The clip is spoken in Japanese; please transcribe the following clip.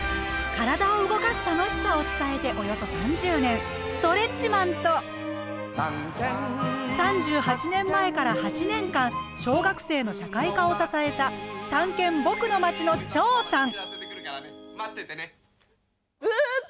体を動かす楽しさを伝えておよそ３０年ストレッチマンと３８年前から８年間小学生の社会科を支えた「たんけんぼくのまち」のチョーさん！